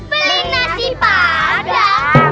beli nasi padang